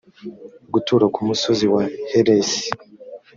gutura ku musozi wa heresi